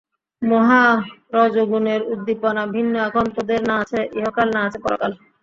মহা রজোগুণের উদ্দীপনা ভিন্ন এখন তোদের না আছে ইহকাল, না আছে পরকাল।